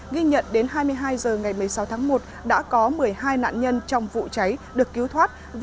ghi nhận đến hai mươi hai h ngày một mươi sáu tháng một đã có một mươi hai nạn nhân trong vụ cháy được cứu thoát